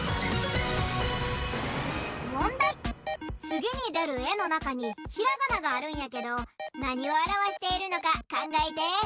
つぎにでるえのなかにひらがながあるんやけどなにをあらわしているのかかんがえて。